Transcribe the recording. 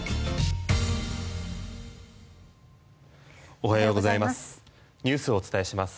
おはようございます。